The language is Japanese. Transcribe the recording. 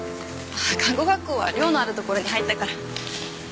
看護学校は寮のあるところに入ったから。